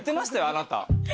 あなた。